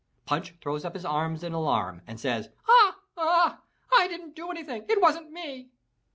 Punch throws up his arms in alarm and says, Ah, ah! I didn't do anything! It wasn't me!